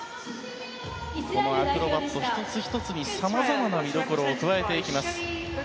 このアクロバティック１つ１つにさまざまな見どころを加えていきます。